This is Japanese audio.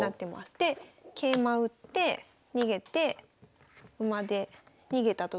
で桂馬打って逃げて馬で逃げたときに。